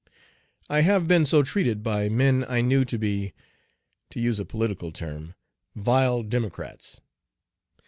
I have been so treated by men I knew to be to use a political term "vile democrats."